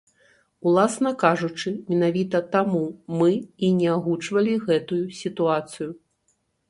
Уласна кажучы, менавіта таму мы і не агучвалі гэтую сітуацыю.